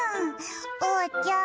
おうちゃん